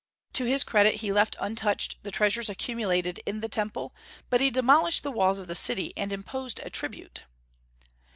To his credit he left untouched the treasures accumulated in the Temple, but he demolished the walls of the city and imposed a tribute.